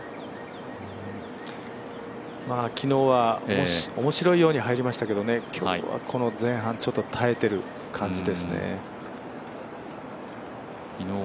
昨日は面白いように入りましたけど、今日はこの前半、ちょっと耐えている感じですね。